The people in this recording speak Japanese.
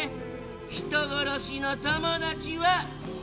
人殺しの友達は！